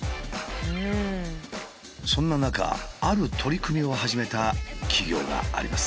そんな中ある取り組みを始めた企業があります。